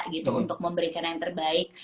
gitu untuk memberikan yang terbaik